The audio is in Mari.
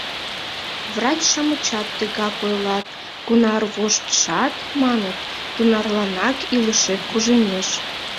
Врач-шамычат тыгак ойлат: «Кунар воштшат, — маныт, — тунарланак илышет кужемеш».